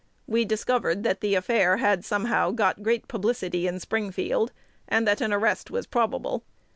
We discovered that the affair had, somehow, got great publicity in Springfield, and that an arrest was probable.